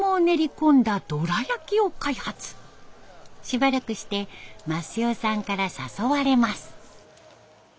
しばらくして益代さんから誘われます。